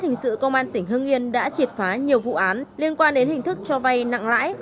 hình sự công an tỉnh hưng yên đã triệt phá nhiều vụ án liên quan đến hình thức cho vay nặng lãi